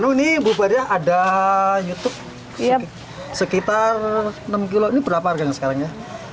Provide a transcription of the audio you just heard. dulu nih bu baria ada youtube sekitar enam kilo ini berapa harganya sekarang ya